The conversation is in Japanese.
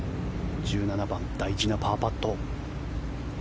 １７番、大事なパーパット。